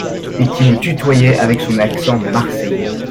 Et qui me tutoyait avec son accent marséyais !…